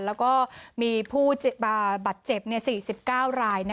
แล้วก็มีผู้บาดเจ็บ๔๙ราย